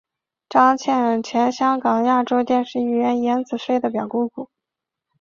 张茜是前香港亚洲电视艺员颜子菲的表姑姑。